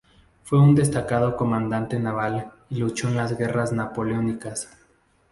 Fue un destacado comandante naval y luchó en las Guerras Napoleónicas.